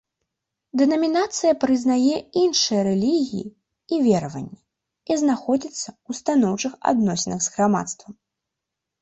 Дэнамінацыя прызнае іншыя рэлігіі і вераванні і знаходзіцца ў станоўчых адносінах з грамадствам.